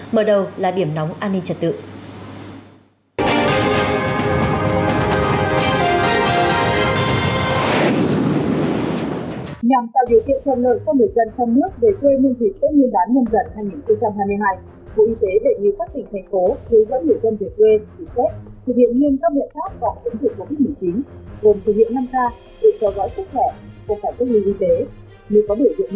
mở đầu là điểm nóng an ninh trật tự